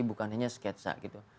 bukan hanya sketsa gitu